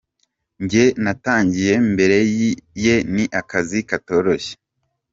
Njye natangiye mbere ye ni akazi katoroshye.